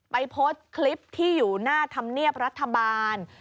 โพสต์คลิปที่อยู่หน้าธรรมเนียบรัฐบาล